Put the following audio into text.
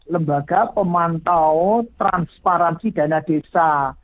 lembaga pemantau transparansi dana desa